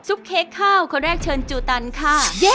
เค้กข้าวคนแรกเชิญจูตันค่ะ